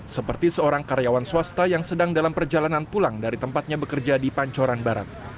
seperti seorang karyawan swasta yang sedang dalam perjalanan pulang dari tempatnya bekerja di pancoran barat